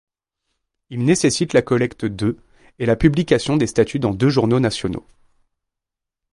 Il nécessite la collecte de et la publication des statuts dans deux journaux nationaux.